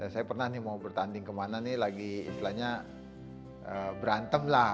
saya pernah nih mau bertanding kemana nih lagi istilahnya berantem lah